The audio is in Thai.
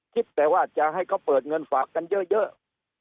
คิดแต่ว่าจะให้เขาเปิดเงินฝากกันเยอะ